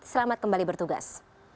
selamat kembali bertugas